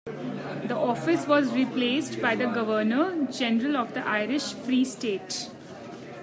The office was replaced by the Governor-General of the Irish Free State.